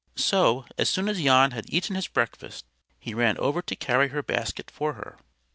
So, as soon as Jan had eaten his breakfast, he ran over to carry her basket for her.